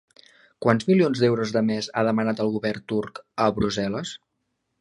Quants milions d'euros de més ha demanat el govern turc a Brussel·les?